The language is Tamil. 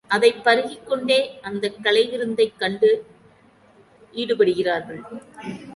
அதைப் பருகிக்கொண்டே அந்தக் கலை விருந்தைக் கண்டு ஈடுபடுகிறார்கள்.